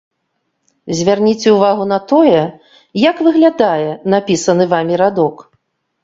Звярніце ўвагу на тое, як выглядае напісаны вамі радок.